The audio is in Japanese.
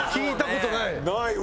ないわ。